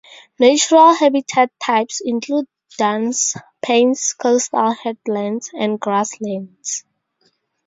Natural habitat types include dunes, pannes, coastal headlands and grasslands.